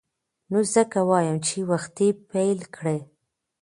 نو ځکه وایم چې وختي پیل کړئ.